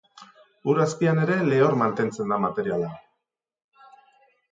Ur azpian ere lehor mantentzen den materiala.